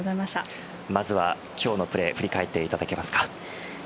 まずは今日のプレー振り返っていただけますか？